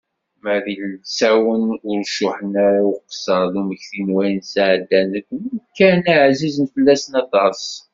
Ma d ilsawen ur cuḥḥen ara i uqesser d usmeki n wayen sɛeddan deg umkan-a ɛzizen fell-asen aṭas.